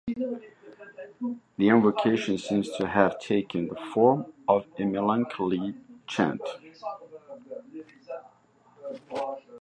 The invocation seems to have taken the form of a melancholy chant.